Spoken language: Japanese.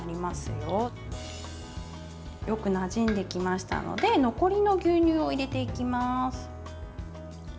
よくなじんできましたので残りの牛乳を入れていきます。